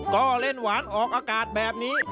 ก็เล่นหวานออกอากาศแบบนี้